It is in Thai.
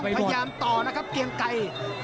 อยากต้องพยายามต่อนะครับเปรียงไก่